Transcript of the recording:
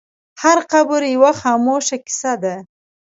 هر قبر یوه خاموشه کیسه ده.